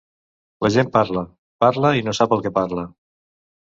La gent parla, parla i no sap el que parla.